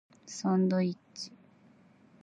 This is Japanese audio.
サンドイッチ